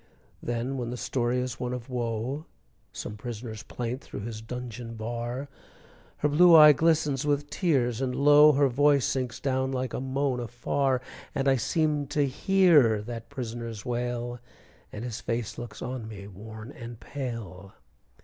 Then when the story is one of woe, Some prisoner's plaint through his dungeon bar, Her blue eye glistens with tears, and low, Her voice sinks down like a moan afar; And I seem to hear that prisoner's wail, And his face looks on me worn and pale.